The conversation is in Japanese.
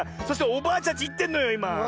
そしておばあちゃんちいってんのよいま。